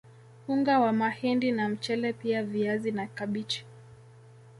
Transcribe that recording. Unga wa mahindi na mchele pia viazi na kabichi